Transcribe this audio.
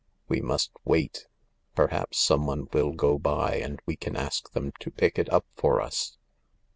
" We must wait ; perhaps someone will go by and we can ask them to pick it up for us."